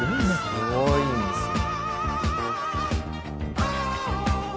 すごいんですよ。